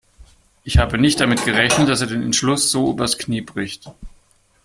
Ich habe nicht damit gerechnet, dass er den Entschluss so übers Knie bricht.